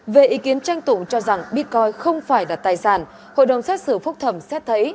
về ý kiến tranh tủ cho rằng bitcoin không phải là tài sản hội đồng xét xử phúc thẩm xét thấy